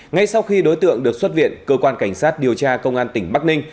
ngay sau khi đối tượng được xuất viện cơ quan cảnh sát điều tra công an tỉnh bắc ninh